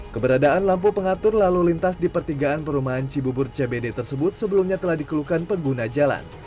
keberadaan lampu pengatur lalu lintas di pertigaan perumahan cibubur cbd tersebut sebelumnya telah dikeluhkan pengguna jalan